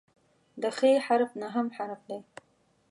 د "خ" حرف نهم حرف دی.